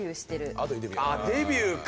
ああデビューか！